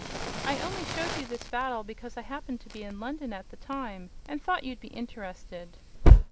"I only showed you this battle because I happened to be in London at the time and thought you'd be interested."